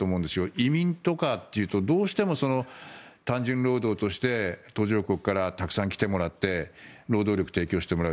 移民とかっていうとどうしても単純労働として途上国からたくさん来てもらって労働力を提供してもらう。